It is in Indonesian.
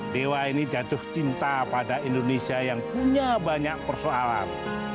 dewa ini jatuh cinta pada indonesia yang punya banyak persoalan